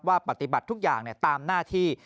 ปฏิบัติทุกอย่างตามหน้าที่